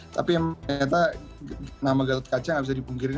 tapi ternyata nama gatot kaca nggak bisa dipungkirin